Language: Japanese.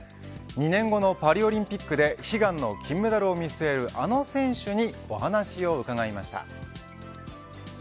２年後のパリオリンピックで悲願の金メダルを見据えるあの選手にお話を伺いました。